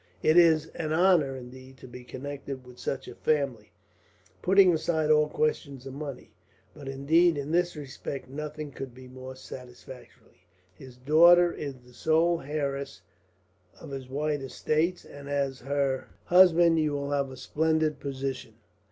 "It is an honour indeed to be connected with such a family, putting aside all question of money; but indeed, in this respect nothing could be more satisfactory. His daughter is the sole heiress of his wide estates, and as her husband you will have a splendid position.